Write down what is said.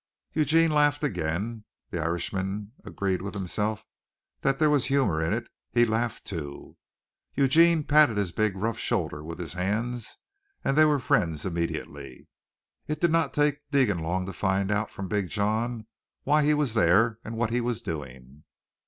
Eugene laughed again. The Irishman agreed with himself that there was humor in it. He laughed too. Eugene patted his big rough shoulder with his hands and they were friends immediately. It did not take Deegan long to find out from Big John why he was there and what he was doing.